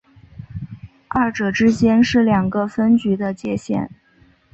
二者之间是两个分局的界线。